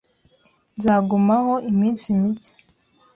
Nzagumaho iminsi mike.